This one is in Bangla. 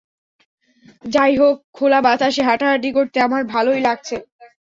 যাইহোক, খোলা বাতাসে হাঁটাহাঁটি করতে আমার ভালোই লাগছে।